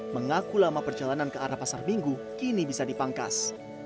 mengaku lama perjalanan ke arah pasar minggu kini bisa dipangkas